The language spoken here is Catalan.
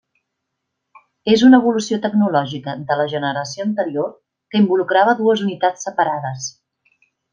És una evolució tecnològica de la generació anterior, que involucrava dues unitats separades.